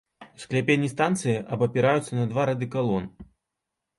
Скляпенні станцыі абапіраюцца на два рады калон.